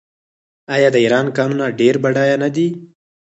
آیا د ایران کانونه ډیر بډایه نه دي؟